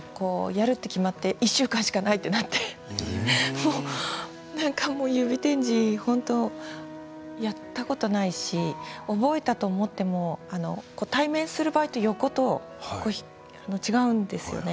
やると決まって１週間しかないとなってなんかもう指点字やったことないし覚えたと思っても対面する場合と横と違うんですよね。